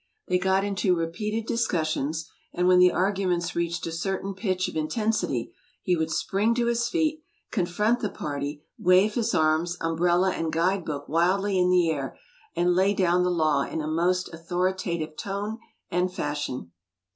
They got into repeated discussions, and when the arguments reached a certain pitch of intensity, he would spring to his feet, confront the party, wave his arms, umbrella, and guide book wildly in the air, and lay down the law in a most authoritative tone and fashion.